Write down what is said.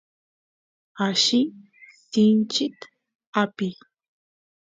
alli sinchit apiy